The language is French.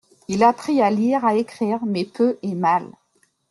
Il apprit à lire, à écrire, mais peu et mal.